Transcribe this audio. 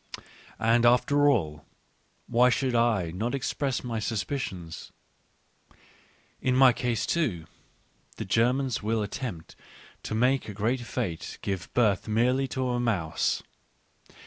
And after all, why should I not express my suspicions? In my case, too, the Germans will attempt to make a great fate give birth merely to a mouse.